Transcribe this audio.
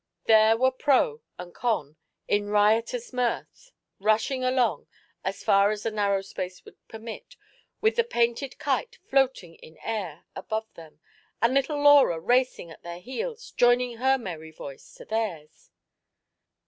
There were Pro and Con, in riotous mirth, rushing along, as far as the narrow space would permit, with the painted kite floating in uir above them, and little Laura racing at their heels, joining her merry voice to theirs.